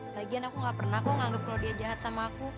lagian aku gak pernah kok anggap kalau dia jahat sama aku